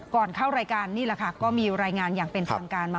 ก่อนเข้ารายการนี้ละครับก็มีรายงานอย่างเป็นสามารถ